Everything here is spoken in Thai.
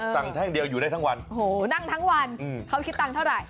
แท่งเดียวอยู่ได้ทั้งวันโอ้โหนั่งทั้งวันเขาคิดตังค์เท่าไหร่